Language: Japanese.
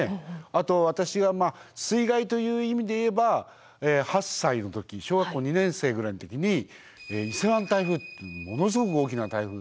あと私は水害という意味で言えば８歳の時小学校２年生ぐらいの時に伊勢湾台風っていうものすごく大きな台風。